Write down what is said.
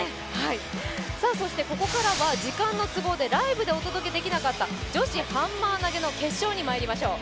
ここからは時間の都合でライブでお届けできなかった女子ハンマー投の決勝にまいりましょう。